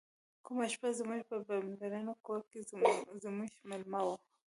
کومه شپه زموږ په پلرني کور کې زموږ میلمه و.